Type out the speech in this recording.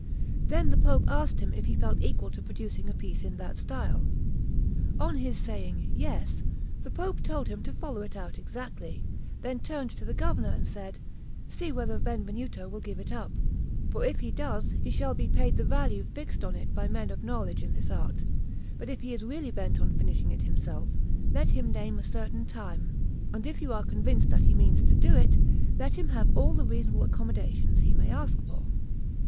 Then the Pope asked him if he felt equal to producing a piece in that style. On his saying yes, the Pope told him to follow it out exactly; then turned to the Governor and said: "See whether Benvenuto will give it up; for if he does, he shall be paid the value fixed on it by men of knowledge in this art; but if he is really bent on finishing it himself, let him name a certain time; and if you are convinced that he means to do it, let him have all the reasonable accommodations he may ask for."